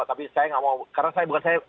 karena saya bukan dari kemenkes mbak